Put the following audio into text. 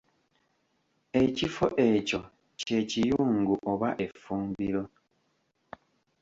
Ekifo ekyo kye Kiyungu oba effumbiro.